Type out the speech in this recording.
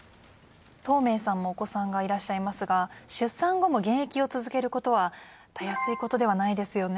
東明さんもお子さんがいらっしゃいますが出産後も現役を続けることはたやすいことではないですよね。